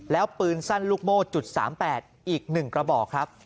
แล้วปืนสั้นลูกโม่จุด๓๘อีก๑กระบอกครับ